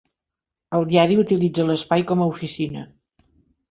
El diari utilitza l'espai com a oficina.